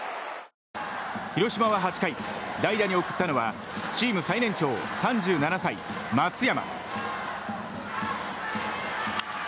広島は８回代打に送ったのはチーム最年長３７歳、松山。